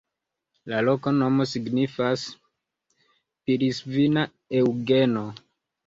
La loknomo signifas: Pilisvina-Eŭgeno.